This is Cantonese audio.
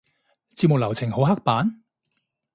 節目流程好刻板？